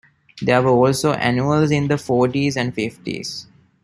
There were also annuals in the forties and fifties.